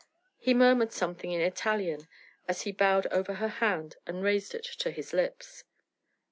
He murmured something in Italian as he bowed over her hand and raised it to his lips.